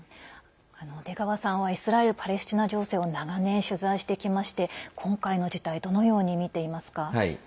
出川さんはイスラエル・パレスチナ情勢を長年、取材してきまして今回の事態どのように見ていますか。